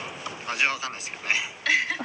味は分かんないですけどね。